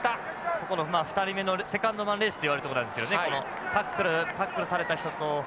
ここの２人目のセカンドマンレースといわれるところなんですけどねこのタックルされた人以外ですね。